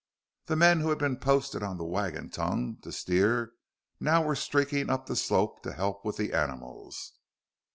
The men who had been posted on the wagon tongue to steer now were streaking up the slope to help with the animals.